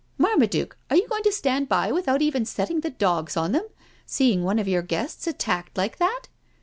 " Marmaduke, are you going to stand by without even setting the dogs on them — seeing one of your guests attacked like that?"